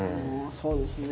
そうですね